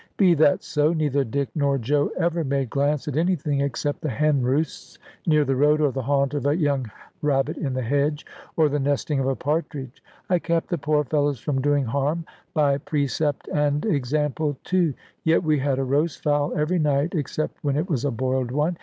Be that so, neither Dick nor Joe ever made glance at anything except the hen roosts near the road, or the haunt of a young rabbit in the hedge, or the nesting of a partridge. I kept the poor fellows from doing harm, by precept and example too; yet we had a roast fowl every night, except when it was a boiled one.